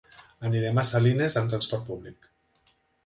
Anirem a Salines amb transport públic.